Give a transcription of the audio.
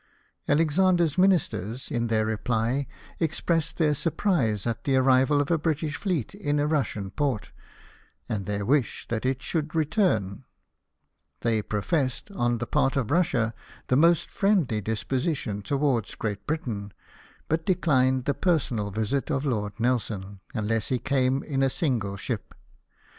Alexander's Ministers, in their reply, expressed their surprise at the arrival of a British fleet in a Russian port, and their wish that it should return ; they professed, on the part of Russia, the most friendly disposition towards Great Britain, 258 LIFE OF NELSON, but declined the personal visit of Lord Nelson, unless lie came in a single ship.